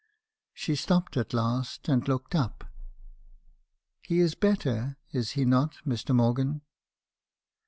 She stopped at last, and looked up. " 'He is better, is he not, Mr. Morgan?'